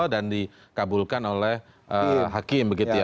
dan dikabulkan oleh hakim